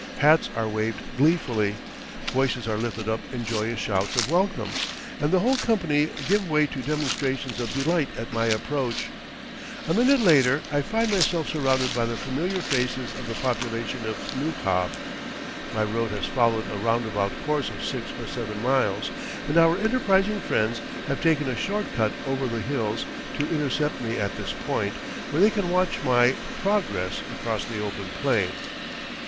Hats are waved gleefully, voices are lifted up in joyous shouts of welcome, and the whole company give way to demonstrations of delight at my approach. A minute later I find myself surrounded by the familiar faces of the population of Nukhab my road has followed a roundabout course of six or seven miles, and our enterprising friends have taken a short cut over the lulls to intercept me at this point, where they can watch my, progress across the open plain.